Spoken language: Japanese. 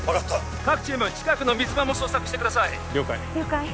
各チーム近くの水場も捜索してください